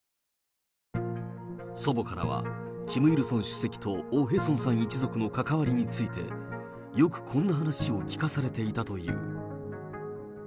祖母からは、キム・イルソン主席とオ・ヘソンさん一族の関わりについて、よくこんな話を聞かされていたという。